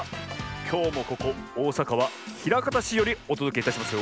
きょうもここおおさかはひらかたしよりおとどけいたしますよ。